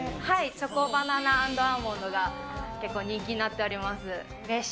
チョコバナナ＆アーモンドが結構人気になっております。